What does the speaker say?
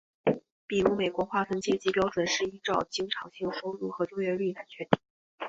比如美国划分阶级标准是依照经常性收入和就业率来确定。